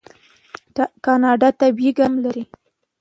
کاناډا طبیعي ګاز هم لري.